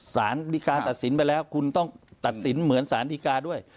สารดีการตัดสินไปแล้วคุณต้องตัดสินเหมือนสารดีกาด้วย